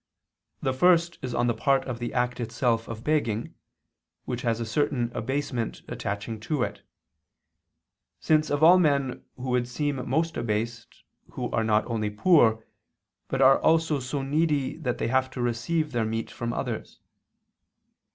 The first is on the part of the act itself of begging, which has a certain abasement attaching to it; since of all men those would seem most abased who are not only poor, but are so needy that they have to receive their meat from others.